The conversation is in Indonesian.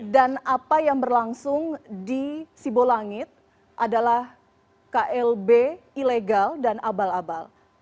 dan apa yang berlangsung di sibo langit adalah klb ilegal dan abal abal